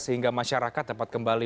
sehingga masyarakat dapat kembali